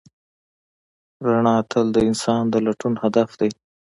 رڼا تل د انسان د لټون هدف دی.